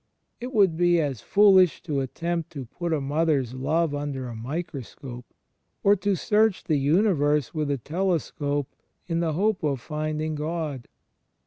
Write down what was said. It would be as foolish to attempt to put a mother's love ujider a microscope, or to "search the universe with a telescope'' in the hope of finding God.